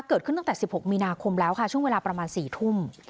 เกิดขึ้นตั้งแต่๑๖มีนาคมแล้วค่ะช่วงเวลาประมาณ๔ทุ่ม